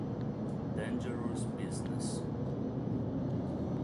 Dangerous Business